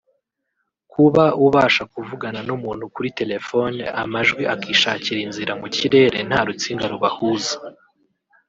Kuba ubasha kuvugana n’umuntu kuri telephone amajwi akishakira inzira mu kirere nta rutsinga rubahuza